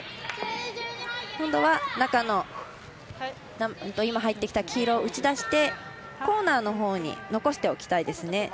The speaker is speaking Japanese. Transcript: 今度は中の今、入ってきた黄色を打ち出して、コーナーのほうに残しておきたいですね。